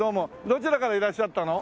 どちらからいらっしゃったの？